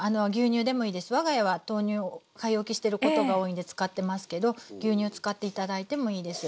我が家は豆乳買い置きしてることが多いんで使ってますけど牛乳使って頂いてもいいです。